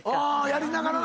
やりながらな。